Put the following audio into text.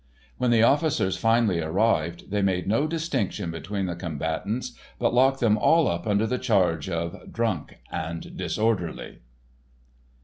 When the officers finally arrived, they made no distinction between the combatants, but locked them all up under the charge of "Drunk and Disorderly."